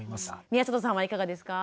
宮里さんはいかがですか？